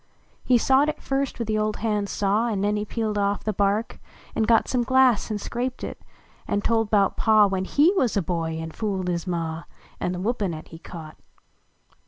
He sawed it first with the old hand saw; An ncn he peeled off the hark, an got Some glass an scraped it ; an tld bout Pa, When lie wuz a hoy an fooled his Ma, An the whippin at he caught.